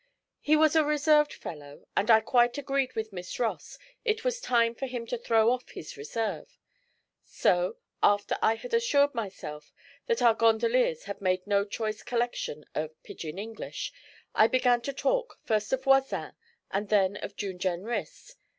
He was a reserved fellow, and I quite agreed with Miss Ross it was time for him to throw off his reserve; so, after I had assured myself that our gondoliers had made no choice collection of 'pidgin English,' I began to talk, first of Voisin and then of June Jenrys.